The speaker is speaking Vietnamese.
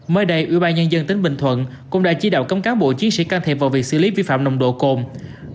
mới đây ủy ban nhân dân tỉnh bình thuận cũng đã chỉ đạo cấm cán bộ chiến sĩ can thiệp vào việc xử lý vi phạm nồng độ cồn